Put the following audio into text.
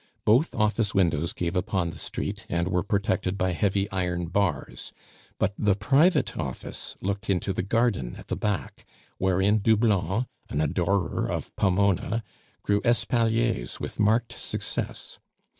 Both office windows gave upon the street, and were protected by heavy iron bars; but the private office looked into the garden at the back, wherein Doublon, an adorer of Pomona, grew espaliers with marked success.